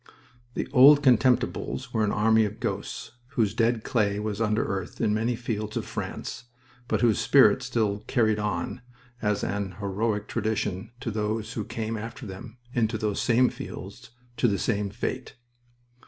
The "Old Contemptibles" were an army of ghosts whose dead clay was under earth in many fields of France, but whose spirit still "carried on" as an heroic tradition to those who came after them into those same fields, to the same fate.